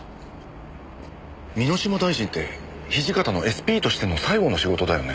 箕島大臣って土方のＳＰとしての最後の仕事だよね？